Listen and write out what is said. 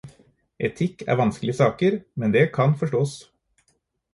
Etikk er vanskelige saker, men det kan forstås.